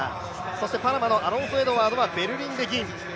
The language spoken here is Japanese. そしてパナマのアロンソ・エドワードはかつての銀メダル。